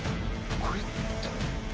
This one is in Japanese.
これって。